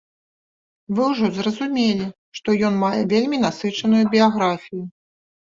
Вы ўжо зразумелі, што ён мае вельмі насычаную біяграфію.